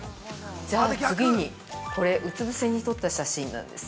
じゃあ次に、これうつ伏せに撮った写真なんです。